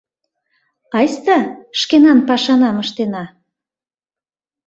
Айста шкенан пашанам ыштена.